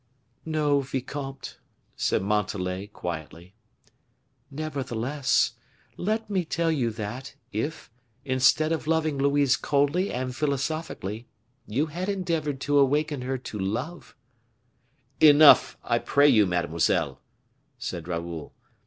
"No, vicomte," said Montalais, quietly. "Nevertheless, let me tell you that, if, instead of loving Louise coldly and philosophically, you had endeavored to awaken her to love " "Enough, I pray you, mademoiselle," said Raoul.